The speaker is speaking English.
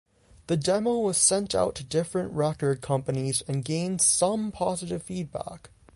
The demo was sent out to different record companies and gained some positive feedback.